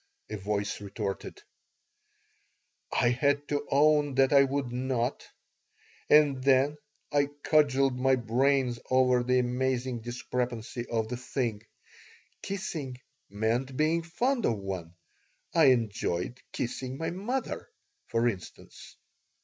a voice retorted I had to own that I would not, and then I cudgeled my brains over the amazing discrepancy of the thing. Kissing meant being fond of one. I enjoyed kissing my mother, for instance.